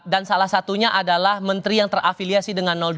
dan salah satunya adalah menteri yang terafiliasi dengan dua